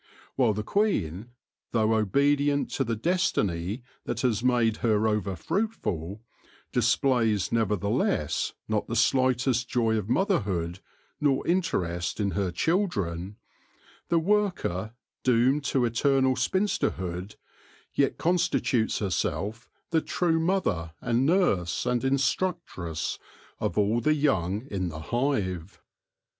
While the queen, though obedient to the destiny that has made her over fruitful, displays nevertheless not the slightest joy of motherhood nor interest in her chil dren, the worker, doomed to eternal spinsterhood, yet constitutes herself the true mother and nurse and instructress of all the young in the hive.